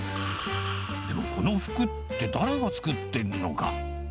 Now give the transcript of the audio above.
でも、この服って、誰が作ってるのか？